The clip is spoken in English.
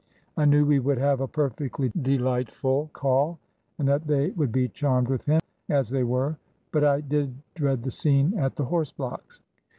I knew we would have a perfectly delightful call, and that they would be charmed with him,— as they were,— but I did dread the scene at the horse blocks.